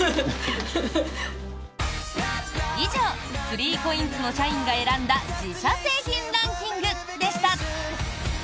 以上３ＣＯＩＮＳの社員が選んだ自社製品ランキングでした。